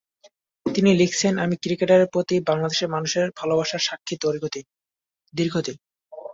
তিনি লিখেছেন, আমি ক্রিকেটের প্রতি বাংলাদেশের মানুষের ভালোবাসার সাক্ষী দীর্ঘ দিন।